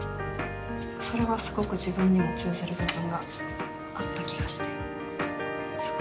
それはすごく自分にも通ずる部分があった気がして。